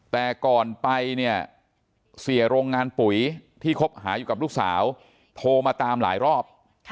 แต่ก่อนไปเนี่ยเสียโรงงานปุ๋ยที่คบหาอยู่กับลูกสาวโทรมาตามหลายรอบ